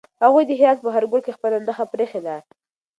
هغوی د هرات په هر ګوټ کې خپله نښه پرېښې ده.